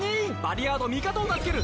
リヤード味方を助ける！